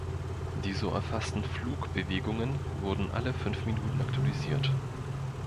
Die so erfassten Flugbewegungen wurden alle fünf Minuten aktualisiert.